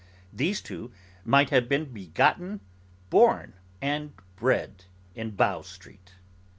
These two might have been begotten, born, and bred, in Bow Street.